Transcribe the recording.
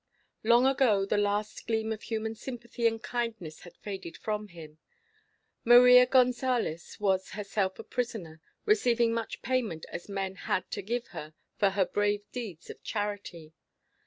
Long ago the last gleam of human sympathy and kindness had faded from him. Maria Gonsalez was herself a prisoner, receiving such payment as men had to give her for her brave deeds of charity.